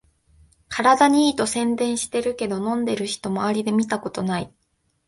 体にいいと宣伝してるけど、飲んでる人まわりで見たことない